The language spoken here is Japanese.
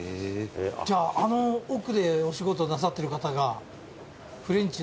じゃああの奥でお仕事なさってる方がフレンチの。